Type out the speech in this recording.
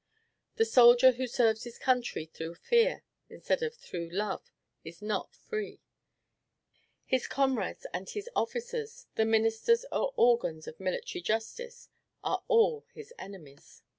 The soldier who serves his country through fear instead of through love is not free; his comrades and his officers, the ministers or organs of military justice, are all his enemies.